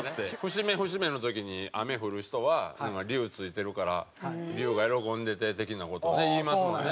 節目節目の時に雨降る人は龍ついてるから龍が喜んでて的な事ねいいますもんね。